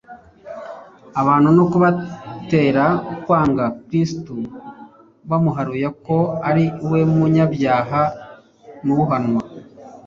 abantu no kubatera kwanga Kristo bamuharuya ko ari we munyabyaha nuharwa.